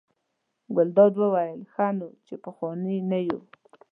ګلداد وویل: ښه نو چې پخواني نه یو.